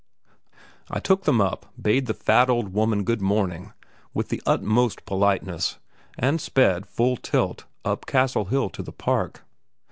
I took them up, bade the fat old woman good morning, with the utmost politeness, and sped, full tilt, up Castle Hill to the park.